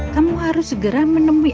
kamu harus segera menemui